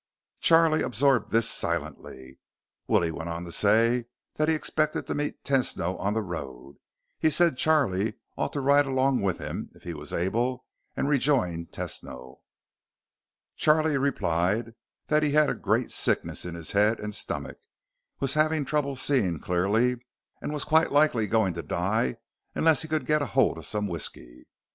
Charlie absorbed this silently. Willie went on to say that he expected to meet Tesno on the road. He said Charlie ought to ride along with him, if he was able, and rejoin Tesno. Charlie replied that he had a great sickness in his head and stomach, was having trouble seeing clearly, and was quite likely going to die unless he could get hold of some whisky.